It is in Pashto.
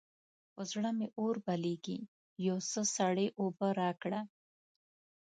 پر زړه مې اور بلېږي؛ يو څه سړې اوبه راکړه.